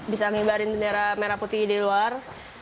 bisa mengibarin bendera merah putih di luar